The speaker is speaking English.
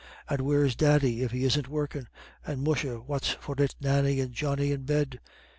And where's daddy if he isn't workin'? And musha what for is Nannie and Johnny in bed?"